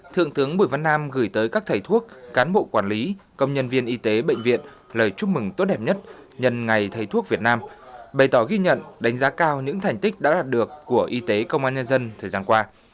thượng tướng bùi văn nam gửi tới các thầy thuốc cán bộ quản lý công nhân viên y tế bệnh viện lời chúc mừng tốt đẹp nhất nhân ngày thầy thuốc việt nam bày tỏ ghi nhận đánh giá cao những thành tích đã đạt được của y tế công an nhân dân thời gian qua